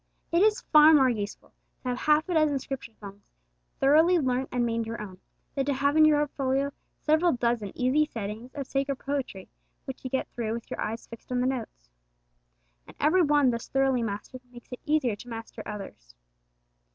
It is far more useful to have half a dozen Scripture songs thoroughly learnt and made your own, than to have in your portfolios several dozen easy settings of sacred poetry which you get through with your eyes fixed on the notes. And every one thus thoroughly mastered makes it easier to master others.